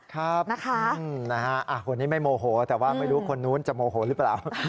ครับนะคะคนนี้ไม่โมโหแต่ว่าไม่รู้คนนู้นจะโมโหหรือเปล่า